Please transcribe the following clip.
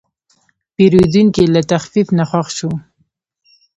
پیرودونکی له تخفیف نه خوښ شو.